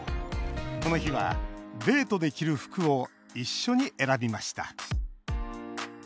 この日は、デートで着る服を一緒に選びました。